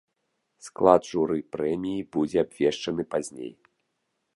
Склад журы прэміі будзе абвешчаны пазней.